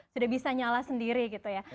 sudah bisa nyala sendiri gitu ya